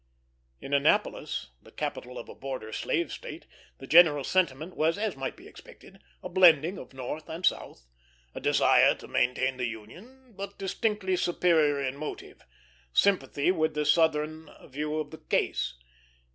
In Annapolis, the capital of a border slave state, the general sentiment was, as might be expected, a blending of North and South; a desire to maintain the Union, but, distinctly superior in motive, sympathy with the Southern view of the case.